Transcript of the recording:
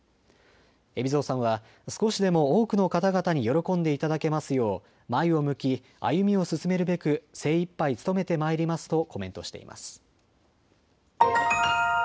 海老蔵さんは少しでも多くの方々に喜んでいただけますよう前を向き歩を進めるべく精一杯勤めてまいりますとコメントしています。